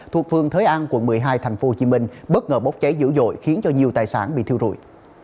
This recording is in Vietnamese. thuộc phương thới an quận một mươi hai tp hcm bất ngờ bốc cháy dữ dội khiến cho nhiều tài sản bị thiêu rụi